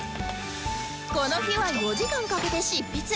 この日は４時間かけて執筆